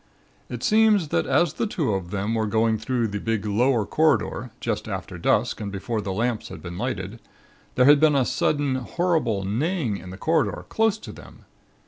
It seems that as the two of them were going through the big lower corridor, just after dusk and before the lamps had been lighted, there had been a sudden, horrible neighing in the corridor, close to them.